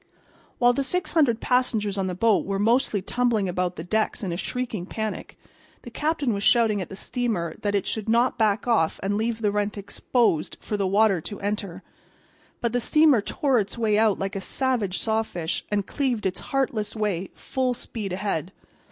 While the six hundred passengers on the boat were mostly tumbling about the decks in a shrieking panic the captain was shouting at the steamer that it should not back off and leave the rent exposed for the water to enter. But the steamer tore its way out like a savage sawfish and cleaved its heartless way, full speed ahead.